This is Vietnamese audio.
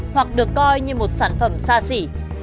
hoặc được coi như một sản phẩm xa xỉ